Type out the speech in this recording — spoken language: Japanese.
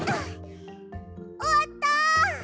おわった！